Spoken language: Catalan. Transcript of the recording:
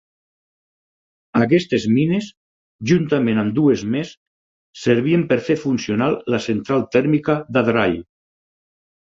Aquestes mines, juntament amb dues més, servien per fer funcionar la central tèrmica d'Adrall.